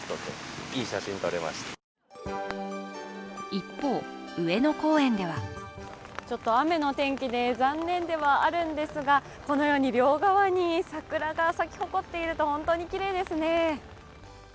一方、上野公園では雨の天気で残念ではあるんですが、このように両側に桜が咲き誇っていると本当にきれいですね。